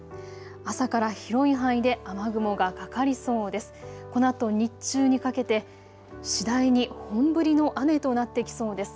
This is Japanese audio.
朝から広い範囲で雨雲がかかりそうです。